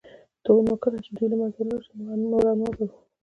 نو كله چي دوى له منځه ولاړ شي نور انواع د ژوو به